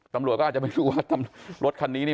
ตำรวจก็อาจจะไม่รู้ว่ารถคันนี้นี่